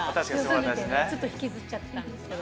ちょっと引きずっちゃってたんですけど。